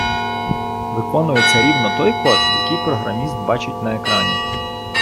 Виконується рівно той код, який програміст бачить на екрані.